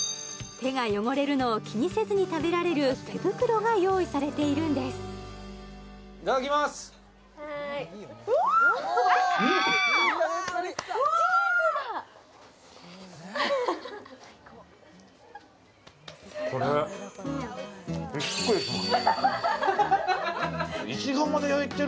手が汚れるのを気にせずに食べられる手袋が用意されているんですはーいチーズがもちろんです